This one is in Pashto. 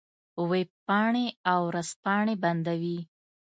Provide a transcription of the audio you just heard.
وېبپاڼې او ورځپاڼې بندوي.